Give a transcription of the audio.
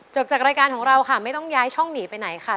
จากรายการของเราค่ะไม่ต้องย้ายช่องหนีไปไหนค่ะ